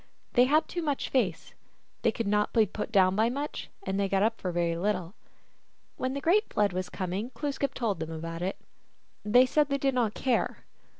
They had too much face. They could not be put down by much, and they got up for very little. When the great Flood was coming Glooskap told them about it. They said they did not care.